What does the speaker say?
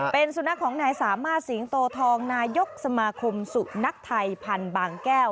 เป็นสุนัขของนายสามารถสิงโตทองนายกสมาคมสุนัขไทยพันธุ์บางแก้ว